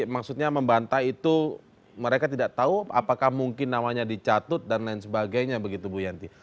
maksudnya membantah itu mereka tidak tahu apakah mungkin namanya dicatut dan lain sebagainya begitu bu yanti